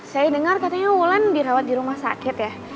saya dengar katanya wulan dirawat di rumah sakit ya